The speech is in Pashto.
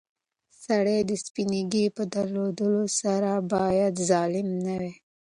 سړی د سپینې ږیرې په درلودلو سره باید ظالم نه وای.